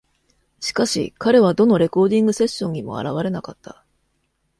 しかし、彼はどのレコーディングセッションにも現れなかった。